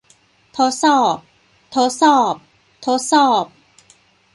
ทดสอบ ทดสอบ ทดสอบ